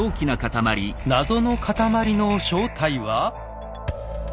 謎の塊の正体は？